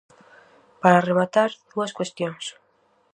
Para rematar, dúas cuestións.